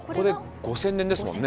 ５，０００年ですもんね。